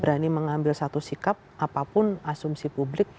berani mengambil satu sikap apapun asumsi publik